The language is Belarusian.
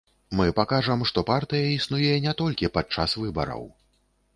Мы пакажам, што партыя існуе не толькі падчас выбараў.